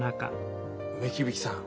梅響さん